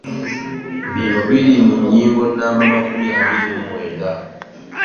Bino biri mu nnyingo nnamba makumi abiri mu mwenda